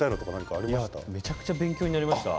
めちゃくちゃ勉強になりました。